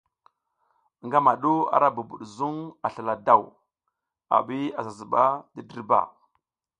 Ngama du ara bubud zuŋ a slala daw, a bi a sa zuɓa ti dirba.